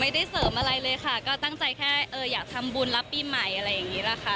เสริมอะไรเลยค่ะก็ตั้งใจแค่อยากทำบุญรับปีใหม่อะไรอย่างนี้แหละค่ะ